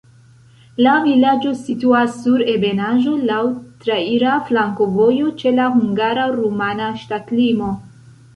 La vilaĝo situas sur ebenaĵo, laŭ traira flankovojo, ĉe la hungara-rumana ŝtatlimo.